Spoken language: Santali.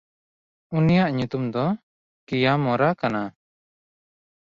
ᱩᱱᱤᱭᱟᱜ ᱧᱩᱛᱩᱢ ᱫᱚ ᱠᱤᱭᱟᱢᱚᱨᱟ ᱠᱟᱱᱟ᱾